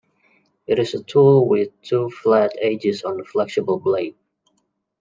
It is a tool with two flat edges on a flexible blade.